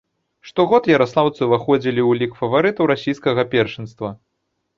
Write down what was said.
Штогод яраслаўцы ўваходзілі ў лік фаварытаў расійскага першынства.